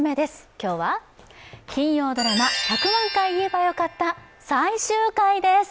今日は、金曜ドラマ「１００万回言えばよかった」最終回です。